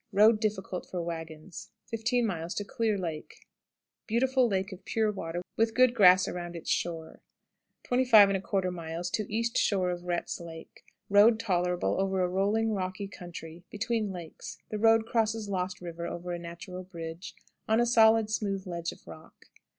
Road difficult for wagons. 15. Clear Lake. Beautiful lake of pure water, with good grass around its shore. 25 1/4. East shore of Rhett's Lake. Road tolerable over a rolling, rocky country, between lakes. The road crosses Lost River over a natural bridge, on a solid, smooth ledge of rock.